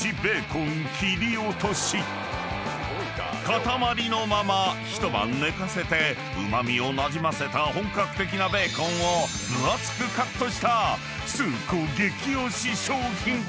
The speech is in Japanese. ［塊のまま一晩寝かせてうま味をなじませた本格的なベーコンを分厚くカットしたスー子激推し商品］